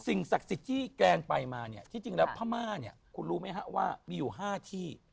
สิ่งศักดิ์สิทธิแกลงไปมาเนี่ยที่จริงด้วยภามาก็เนี่ยคุณรู้ไหมฮะว่ามีอยู่๕ที่